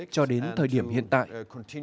cho đến thời điểm hiện tại